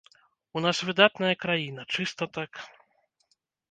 У вас выдатная краіна, чыста так.